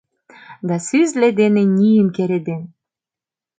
Да сӱзлӧ дене нийым кереден.